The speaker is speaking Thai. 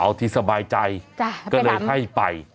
เอาที่สบายใจก็เลยให้ไป